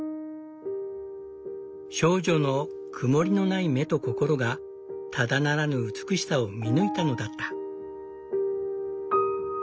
少女の曇りのない目と心がただならぬ美しさを見抜いたのだった。